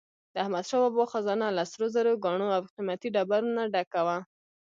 د احمدشاه بابا خزانه له سروزرو، ګاڼو او قیمتي ډبرو نه ډکه وه.